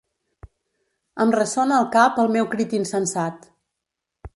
Em ressona al cap el meu crit insensat.